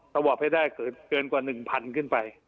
สวอปให้ได้เกินกว่า๑๐๐ขึ้นไป